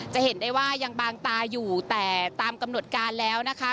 จะเห็นได้ว่ายังบางตาอยู่แต่ตามกำหนดการแล้วนะคะ